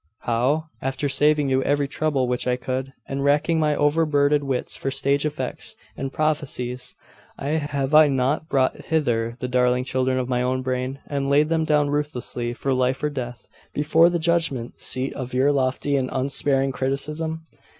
'How? After saving you every trouble which I could, and racking my overburdened wits for stage effects and properties, have I not brought hither the darling children of my own brain, and laid them down ruthlessly, for life or death, before the judgment seat of your lofty and unsparing criticism?